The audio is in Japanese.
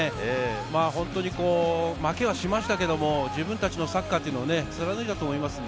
本当に負けはしましたけど、自分達のサッカーというのを貫いたと思います。